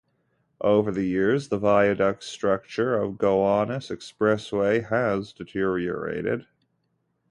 Over the years, the viaduct structure of the Gowanus Expressway has deteriorated.